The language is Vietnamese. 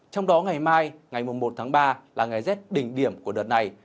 trong đó ngày mai ngày một mươi một tháng ba là ngày rét đỉnh điểm của đợt này